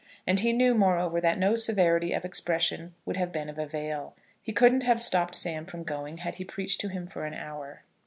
And he knew, moreover, that no severity of expression would have been of avail. He couldn't have stopped Sam from going had he preached to him for an hour.